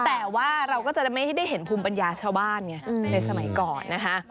แต่ว่าเราก็จะไม่ได้เห็นภูมิปัญญาชาวบ้านไงในสมัยก่อนนะคะ